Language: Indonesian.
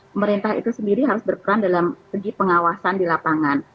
pemerintah itu sendiri harus berperan dalam segi pengawasan di lapangan